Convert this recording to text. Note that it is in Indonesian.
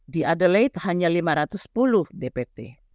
di adelaide hanya lima ratus sepuluh dpt